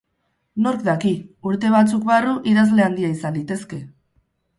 Nork daki, urte batzuk barru idazle handia izan litezke.